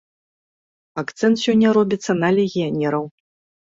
Акцэнт сёння робіцца на легіянераў.